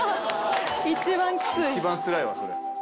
一番つらいわそれ。